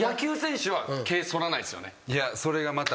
いやそれがまた。